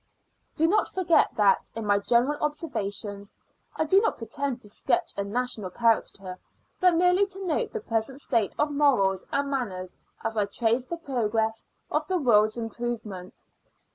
Do not forget that, in my general observations, I do not pretend to sketch a national character, but merely to note the present state of morals and manners as I trace the progress of the world's improvement.